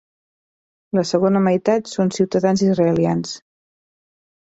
La segona meitat són ciutadans israelians.